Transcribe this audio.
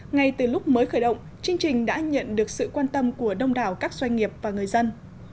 ngay từ lúc mới khởi động chương trình đã nhận được sự quan tâm của đông đảo các doanh nghiệp và người dân